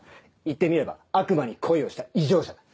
言ってみれば悪魔に恋をした異常者だ！